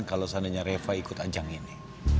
kalau seandainya reva ikut ajang ini